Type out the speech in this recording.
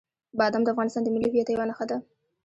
بادام د افغانستان د ملي هویت یوه نښه ده.